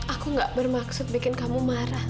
aku gak bermaksud bikin kamu marah